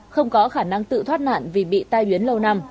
không có khả năng tự thoát nạn vì bị tai biến lâu năm